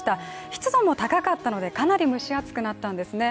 湿度も高かったのでかなり蒸し暑くなったんですね。